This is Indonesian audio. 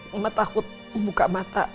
mama takut membuka mata